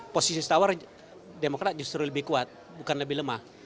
posisi tawar demokrat justru lebih kuat bukan lebih lemah